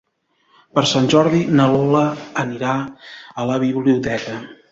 Per Sant Jordi na Lola anirà a la biblioteca.